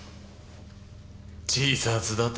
自殺だと？